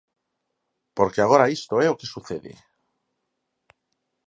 Porque agora isto é o que sucede.